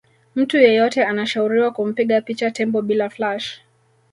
mtu yeyote anashauriwa kumpiga picha tembo bila flash